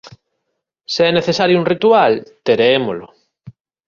Se é necesario un ritual, terémolo.